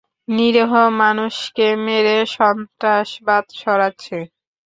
নিরীহ মানুষকে মেরে সন্ত্রাসবাদ ছড়াচ্ছে।